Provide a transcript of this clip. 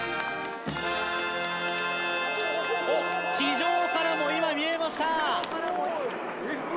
地上からも今見えました。